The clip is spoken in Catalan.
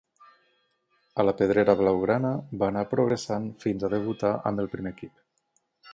A la pedrera blaugrana va anar progressant fins a debutar amb el primer equip.